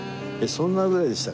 そんなぐらいでした。